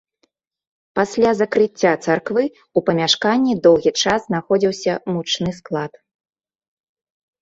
Пасля закрыцця царквы ў памяшканні доўгі час знаходзіўся мучны склад.